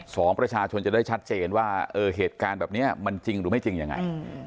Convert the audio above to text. สองประชาชนจะได้ชัดเจนว่าเออเหตุการณ์แบบนี้มันจริงหรือไม่จริงยังไง